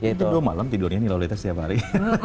itu dua malam tidurnya nih lolita setiap hari